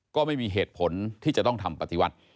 ก็ไม่มีเหตุผลที่จะต้องทำปฏิวัติ